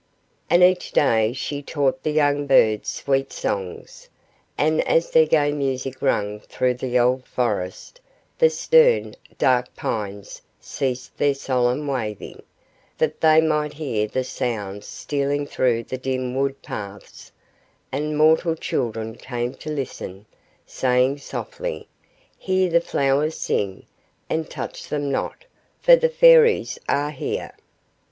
And each day she taught the young birds sweet songs, and as their gay music rang through the old forest, the stern, dark pines ceased their solemn waving, that they might hear the soft sounds stealing through the dim wood paths, and mortal children came to listen, saying softly, "Hear the flowers sing, and touch them not, for the Fairies are here."